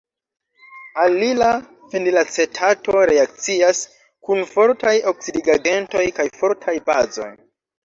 Alila fenilacetato reakcias kun fortaj oksidigagentoj kaj fortaj bazoj.